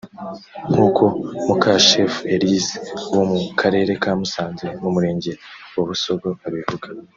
nk’uko Mukashefu Elise wo mu Karere ka Musanze mu murenge wa Busogo abivuga